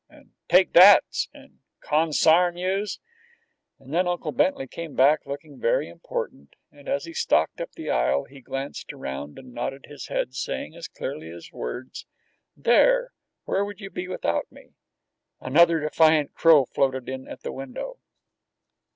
and "Take thats!" and "Consairn yous!" and then Uncle Bentley came back looking very important, and as he stalked up the aisle he glanced around and nodded his head, saying as clearly as words, "There, where would you be without me?" Another defiant crow floated in at the window.